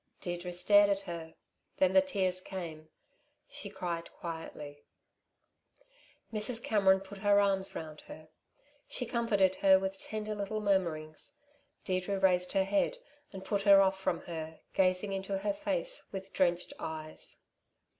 Deirdre stared at her; then the tears came; she cried quietly. Mrs. Cameron put her arms round her. She comforted her with tender little murmurings. Deirdre raised her head, and put her off from her, gazing into her face with drenched eyes.